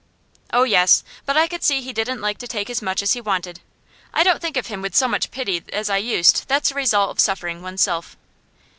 'Oh yes. But I could see he didn't like to take as much as he wanted. I don't think of him with so much pity as I used to; that's a result of suffering oneself.